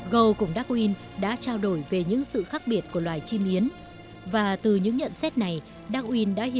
gull cùng darwin đã trao đổi về những sự khác biệt của loài chim yến và từ những nhận xét này darwin đã hiểu ra mỏ của chim yến thay đổi qua các thế hệ